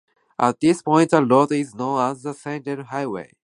At this point the road is known as the Saint Paul Highway.